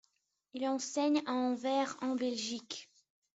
Il enseigne à Anvers en Belgique.